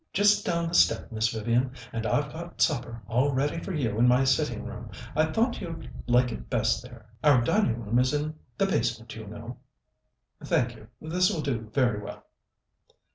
"Just down the step, Miss Vivian, and I've got supper all ready for you in my sitting room. I thought you'd like it best there. Our dining room is in the basement, you know." "Thank you; this will do very well."